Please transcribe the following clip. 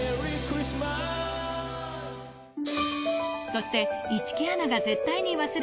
そして